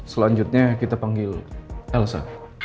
selanjutnya kita panggil elsa